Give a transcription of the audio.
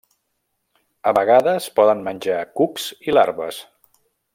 A vegades poden menjar cucs i larves.